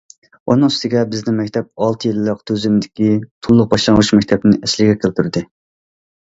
ئۇنىڭ ئۈستىگە، بىزنىڭ مەكتەپ ئالتە يىللىق تۈزۈمدىكى تولۇق باشلانغۇچ مەكتەپنى ئەسلىگە كەلتۈردى.